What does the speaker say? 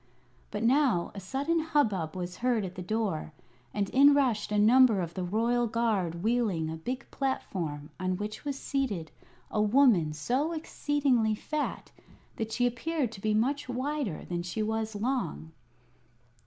But now a sudden hubbub was heard at the door, and in rushed a number of the royal guard wheeling a big platform on which was seated a woman so exceedingly fat that she appeared to be much wider than she was long.